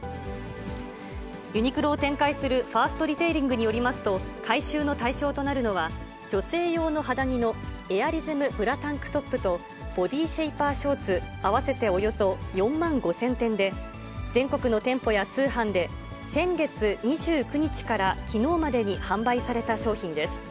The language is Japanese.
ユニクロを展開するファーストリテイリングによりますと、回収の対象となるのは、女性用の肌着のエアリズムブラタンクトップと、ボディシェイパーショーツ、合わせておよそ４万５０００点で、全国の店舗や通販で、先月２９日からきのうまでに販売された商品です。